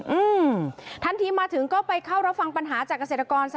อืมทันทีมาถึงก็ไปเข้ารับฟังปัญหาจากเกษตรกร